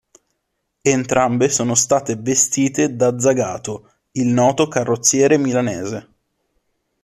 Entrambe sono state "vestite" da Zagato, il noto carrozziere milanese.